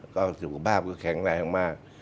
ก็สุขภาพก็แข็งแรงมาก